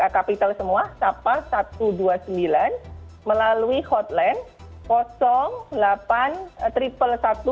kapital semua sapa satu ratus dua puluh sembilan melalui hotline delapan ribu satu ratus sebelas satu ratus dua puluh sembilan satu ratus dua puluh sembilan